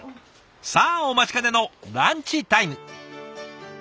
さあお待ちかねのランチタイム。